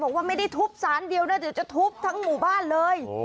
บอกว่าไม่ได้ทุบสารเดียวนะเดี๋ยวจะทุบทั้งหมู่บ้านเลย